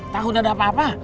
takut ada apa apa